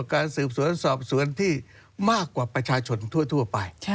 การสืบสวนสอบสวนที่มากกว่าประชาชนทั่วไป